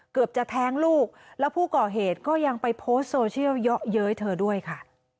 เกือบจะแท้งลูกแล้วผู้ก่อเหตุก็ยังไปโพสต์โซเชียลเยอะเย้ยเธอด้วยค่ะ